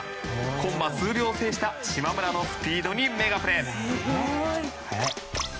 コンマ数秒を制した島村のスピードにメガプレ。